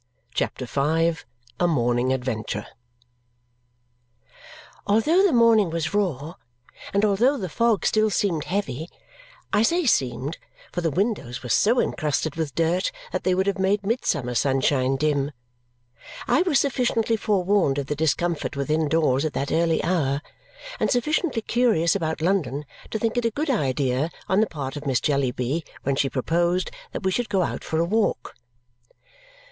CHAPTER V A Morning Adventure Although the morning was raw, and although the fog still seemed heavy I say seemed, for the windows were so encrusted with dirt that they would have made midsummer sunshine dim I was sufficiently forewarned of the discomfort within doors at that early hour and sufficiently curious about London to think it a good idea on the part of Miss Jellyby when she proposed that we should go out for a walk.